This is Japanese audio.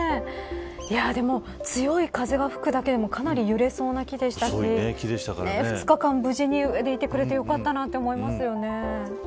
でも強い風が吹くだけでもかなり揺れそうな木でしたし２日間、無事に上でいてくれてよかったなと思いますよね。